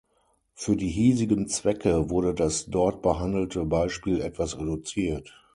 Für die hiesigen Zwecke wurde das dort behandelte Beispiel etwas reduziert.